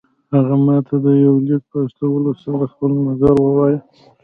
هغه ماته د يوه ليک په استولو سره خپل نظر ووايه.